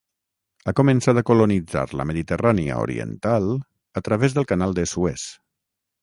Ha començat a colonitzar la Mediterrània oriental a través del Canal de Suez.